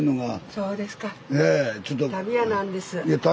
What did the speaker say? そうですか。